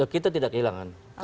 kita tidak kehilangan